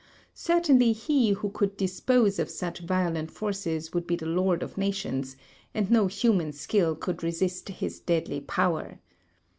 Certainly he who could dispose of such violent forces would be the lord of nations, and no human skill could resist his deadly power.